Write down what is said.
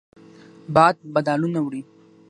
باد بادلونه وړي